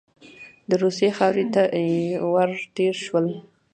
د روسیې خاورې ته ور تېر شولو.